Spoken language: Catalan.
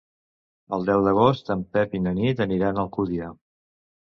El deu d'agost en Pep i na Nit aniran a Alcúdia.